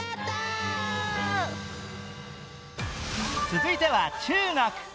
続いては中国。